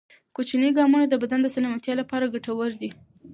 کوچني ګامونه د بدن د سلامتیا لپاره ګټور دي.